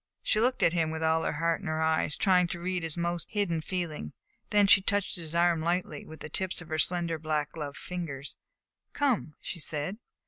She looked at him with all her heart in her eyes, trying to read his most hidden feeling. Then she touched his arm lightly with the tips of her slender black gloved fingers. "Come," she said.